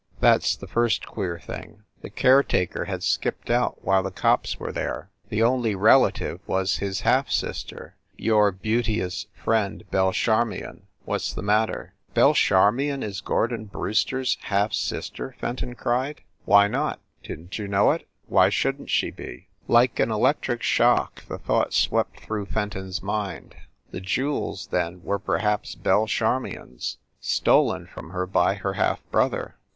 That s the first queer thing. The caretaker had skipped out while the cops were there. The only relative was his half sister your beaute ous friend, Belle Charmion. What s the matter?" "Belle Charmion is Gordon Brewster s half sis ter?" Fenton cried. A HARLEM LODGING HOUSE 301 "Why not ? Didn t you know it ? .Why shouldn t she be?" Like an electric shock the thought swept through Fenton s mind the jewels then were perhaps Belle Charmion s, stolen from her by her half brother.